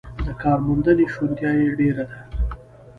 د کارموندنې شونتیا یې ډېره ده.